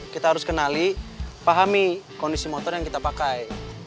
kita harus kenali pahami kondisi motor yang kita pakai